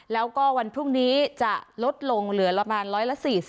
แล้วก็วันพรุ่งนี้จะลดลงเหลือละประมาณ๑๔๐